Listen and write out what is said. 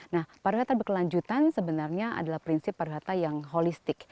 nah pariwisata berkelanjutan sebenarnya adalah prinsip pariwisata yang holistik